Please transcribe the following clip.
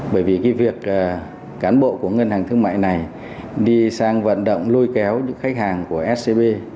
bởi vì cái việc cán bộ của ngân hàng thương mại này đi sang vận động lôi kéo những khách hàng của scb